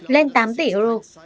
lên tám tỷ euro